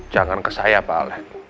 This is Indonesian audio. jangan ke saya pak ale